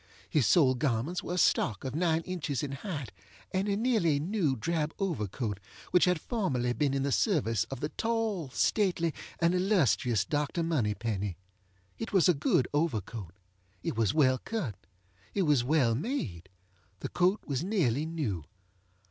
His sole garments were a stock of nine inches in height, and a nearly new drab overcoat which had formerly been in the service of the tall, stately, and illustrious Dr. Moneypenny. It was a good overcoat. It was well cut. It was well made. The coat was nearly new.